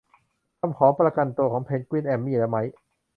คำขอประกันตัวของเพนกวิน แอมมี่ และไมค์